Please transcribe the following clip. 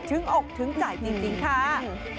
ได้ทึ่งอกทึ่งใจนิดหนึ่งค่ะ